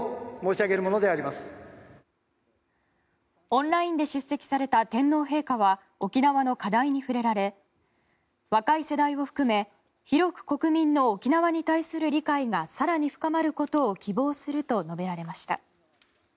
オンラインで出席された天皇陛下は沖縄の課題に触れられ若い世代を含め広く国民の沖縄に対する理解が更に深まることを希望すると述べられました。